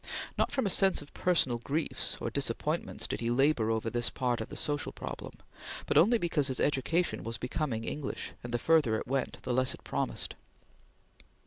Not from a sense of personal griefs or disappointments did he labor over this part of the social problem, but only because his education was becoming English, and the further it went, the less it promised.